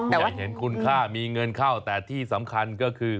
อยากเห็นคุณค่ามีเงินเข้าแต่ที่สำคัญก็คือ